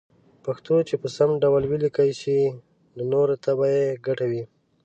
پښتو چې په سم ډول وليکلې شي نو نوره ته به يې ګټه وي